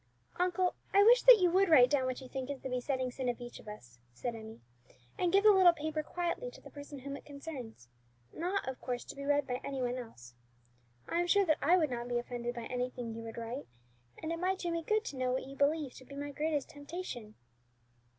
"Uncle, I wish that you would write down what you think is the besetting sin of each of us," said Emmie, "and give the little paper quietly to the person whom it concerns, not, of course, to be read by any one else. I am sure that I would not be offended by anything you would write, and it might do me good to know what you believe to be my greatest temptation."